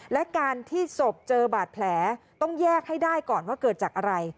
และการที่ศพเจอบาดแผลต้องแยกให้ได้ก่อนว่าเกิดจากอะไร